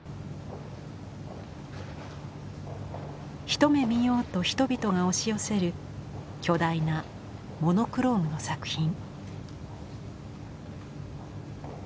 一目見ようと人々が押し寄せる巨大なモノクロームの作品。